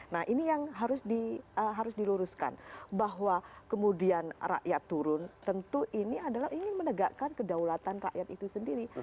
nah ini yang harus diluruskan bahwa kemudian rakyat turun tentu ini adalah ingin menegakkan kedaulatan rakyat itu sendiri